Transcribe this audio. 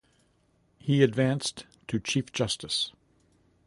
He advanced to Chief Justice.